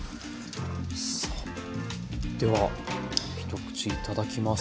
では一口頂きます。